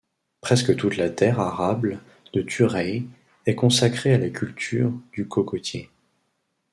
Presque toute la terre arable de Tureia est consacrée à la culture du cocotier.